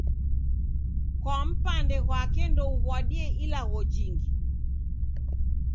Kwa mpande ghwa ndouw'adie ilagho jingi.